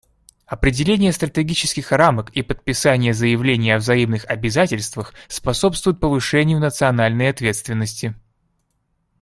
Определение стратегических рамок и подписание заявлений о взаимных обязательствах способствуют повышению национальной ответственности.